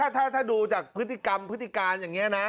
ถ้าดูจากพฤหกรรมพฤกษาการยังเงี้ยนะ